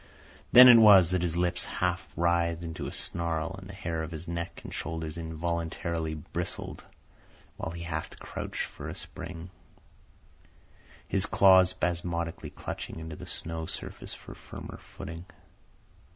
Then it was that his lips half writhed into a snarl, and the hair of his neck and shoulders involuntarily bristled, while he half crouched for a spring, his claws spasmodically clutching into the snow surface for firmer footing.